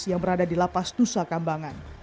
yang berada di lapas nusa kambangan